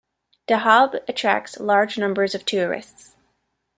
Dahab attracts large numbers of tourists.